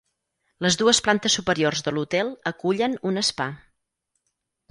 Les dues plantes superiors de l'hotel acullen un spa.